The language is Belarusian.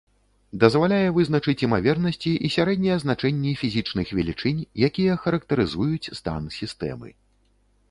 Дазваляе вызначыць імавернасці і сярэднія значэнні фізічных велічынь, якія характарызуюць стан сістэмы.